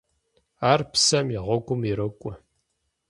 Ар псэм и гъуэгум ирокӀуэ.